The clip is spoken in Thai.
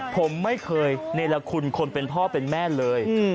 ผมไม่เคยเนรคุณคนเป็นพ่อเป็นแม่เลย